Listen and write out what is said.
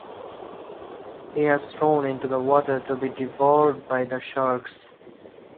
He was thrown into the water to be devoured by the sharks.